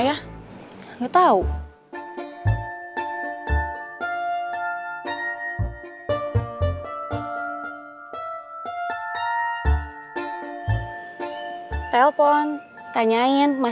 ini tentu saya